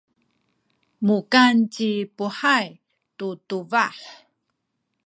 mukan ci Puhay tu tubah.